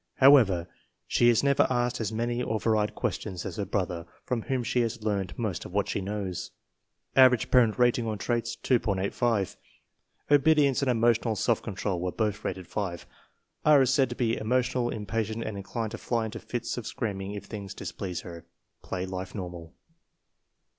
However, she has never asked as many or varied questions as her brother, from whom she has FORTY ONE SUPERIOR CHILDREN 208 learned most of what she knows." Average parent rating on traits, 2.85. Obedience and emotional self control were both rated 5. R. is said to be emo tional, impatient, and inclined to fly into fits of screaking if things displease her. Play life normal.